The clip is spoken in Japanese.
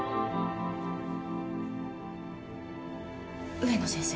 植野先生。